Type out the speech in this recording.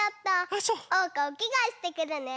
おうかおきがえしてくるね。